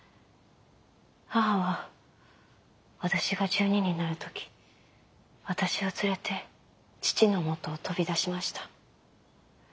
母は私が１２になる時私を連れて父のもとを飛び出しました。